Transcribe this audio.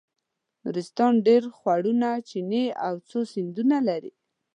نورستان ډېر خوړونه چینې او څو سیندونه لري.